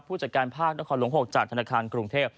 ผู้จัดการภาคนครหลวง๖จากธนาคารกรุงเทพ